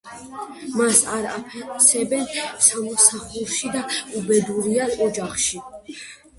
მას არ აფასებენ სამსახურში და უბედურია ოჯახში.